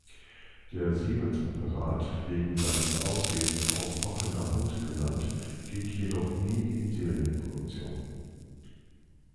Der Siemens-Apparat, wegen seines Aussehens auch „Hockender Hund“ genannt, ging jedoch nie in Serienproduktion.